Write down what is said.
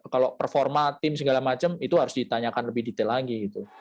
kalau performa tim segala macam itu harus ditanyakan lebih detail lagi gitu